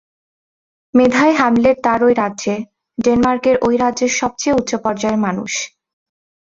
মেধায় Hamlet তার ওই রাজ্যে, ডেনমার্কের ওই রাজ্যে সবচেয়ে উচ্চপর্যায়ের মানুষ।